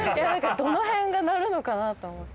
どのへんが鳴るのかなと思って。